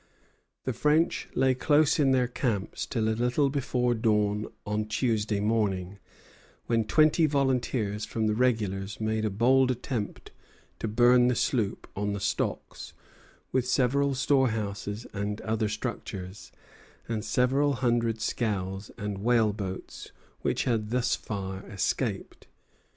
The French lay close in their camps till a little before dawn on Tuesday morning, when twenty volunteers from the regulars made a bold attempt to burn the sloop on the stocks, with several storehouses and other structures, and several hundred scows and whaleboats which had thus far escaped.